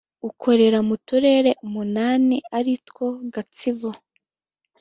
ukorera mu turere umunani aritwo Gatsibo